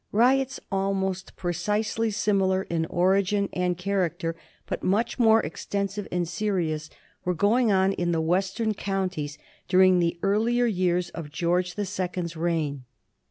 Riots almost precisely similar in origin and character, but much more extensive and serious, were going on in the western counties during the earlier years of George the Second's reign.